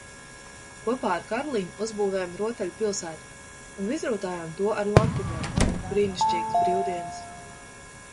Kopā ar Karlīni uzbūvējām rotaļu pilsētu un izrotājām to ar lampiņām. Brīnišķīgas brīvdienas!